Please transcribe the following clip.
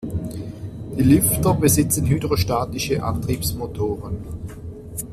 Die Lüfter besitzen hydrostatische Antriebsmotoren.